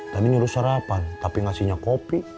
tadi nyuruh sarapan tapi ngasihnya kopi